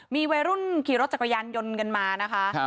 มีวัยรุ่นขี่รถจักรยานยนต์กันมานะคะ